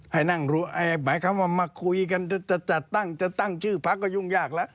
ให้นั่งรู้หมายความว่ามาคุยกันจะจัดตั้งจะตั้งชื่อพักก็ยุ่งยากแล้ว